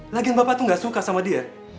lagi bapak tuh gak suka sama dia